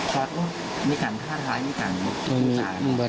เพราะต้องมีการท่าท้ายมีการพูดสงสาร